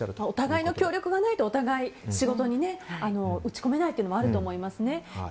お互いの協力がないと、お互い仕事に打ち込めないというのがあると思いますね。